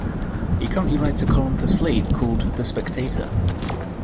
He currently writes a column for "Slate" called "The Spectator".